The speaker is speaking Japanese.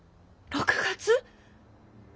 ６月？